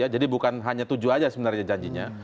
jadi bukan hanya tujuh saja sebenarnya janjinya